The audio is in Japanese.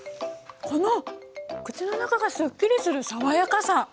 この口の中がスッキリする爽やかさ！